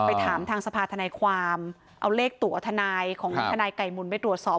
ไปถามทางสภาธนายความเอาเลขตัวทนายของทนายไก่หมุนไปตรวจสอบ